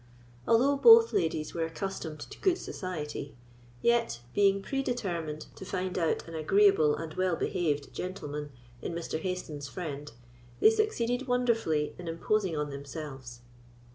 Although both ladies were accustomed to good society, yet, being pre determined to find out an agreeable and well behaved gentleman in Mr. Hayston's friend, they succeeded wonderfully in imposing on themselves.